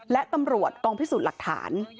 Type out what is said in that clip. และตำรวจกองพิสูจน์หลักฐาน